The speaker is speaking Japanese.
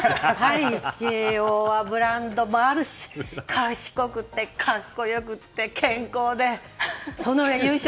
慶應はブランドもあるし賢くて、格好良くて健康で、そのうえ優勝？